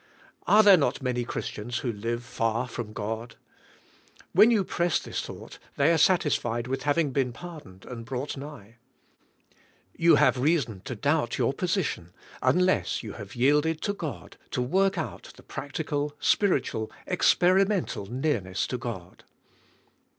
Are there not many Christians who live far from God? When you press this thought they are satisfied with having been pardoned and brought nigh. You have reason to doubt your position un less you have yielded to God to work out the practi cal, spiritual, experimental nearness to God.